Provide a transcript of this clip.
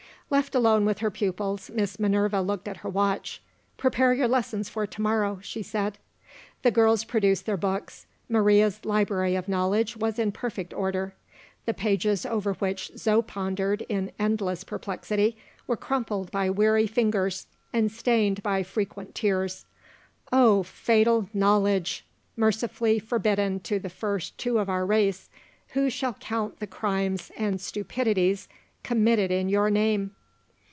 Left alone with her pupils, Miss Minerva looked at her watch. "Prepare your lessons for to morrow," she said. The girls produced their books. Maria's library of knowledge was in perfect order. The pages over which Zo pondered in endless perplexity were crumpled by weary fingers, and stained by frequent tears. Oh, fatal knowledge! mercifully forbidden to the first two of our race, who shall count the crimes and stupidities committed in your name?